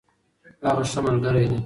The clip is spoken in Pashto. هغه ښه ملګرې ده.